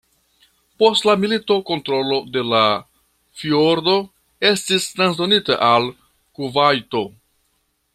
Post la milito kontrolo de la fjordo estis transdonita al Kuvajto.